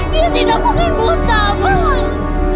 dia tidak mungkin buta abang